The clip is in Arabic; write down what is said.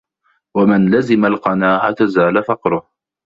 وَمَنْ لَزِمَ الْقَنَاعَةَ زَالَ فَقْرُهُ